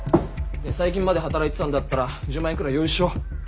最近まで働いてたんだったら１０万円くらい余裕っしょ？